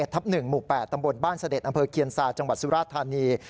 ตำบลบ้านเสด็จอำเภอเคียนซาจังหวัดสุราธารณี